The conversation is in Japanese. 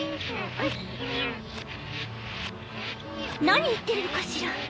何言ってるのかしら？